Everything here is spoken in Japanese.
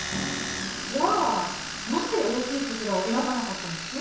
じゃあなぜ大きいつづらを選ばなかったんです？